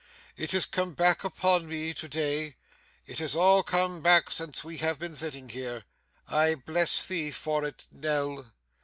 'It has come back upon me to day, it has all come back since we have been sitting here. I bless thee for it, Nell!